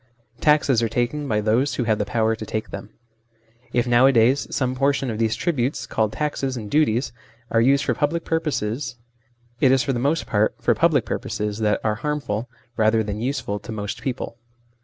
Taxes are taken by those who have the power to take them. If nowadays some portion of these tributes, called taxes and duties, are used for public purposes, it is, for the LAWS CONCERNING TAXES, ETC. 79 most part, for public purposes that are harmful rather than useful to most people.